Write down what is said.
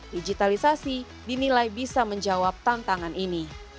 digitalisasi dinilai bisa menjawab tantangan ini